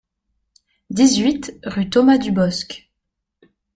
dix-huit rue Thomas Dubosc